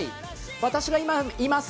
私が今います